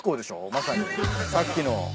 まさにさっきの。